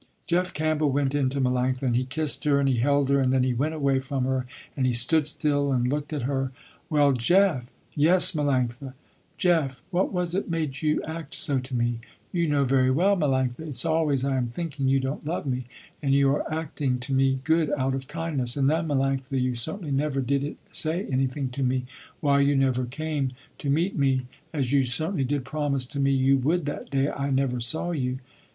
Jeff Campbell went in to Melanctha, and he kissed her, and he held her, and then he went away from her and he stood still and looked at her. "Well Jeff!" "Yes Melanctha!" "Jeff what was it made you act so to me?" "You know very well Melanctha, it's always I am thinking you don't love me, and you are acting to me good out of kindness, and then Melanctha you certainly never did say anything to me why you never came to meet me, as you certainly did promise to me you would that day I never saw you!"